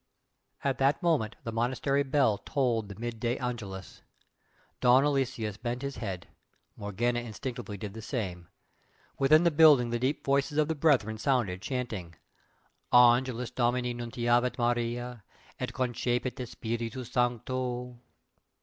At that moment the monastery bell tolled the midday "Angelus." Don Aloysius bent his head Morgana instinctively did the same. Within the building the deep voices of the brethren sounded, chanting, "Angelus Domini nuntiavit Maria Et concepit de Spiritu sancto."